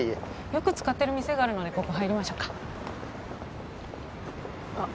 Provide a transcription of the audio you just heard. よく使ってる店があるのでここ入りましょうかうわっ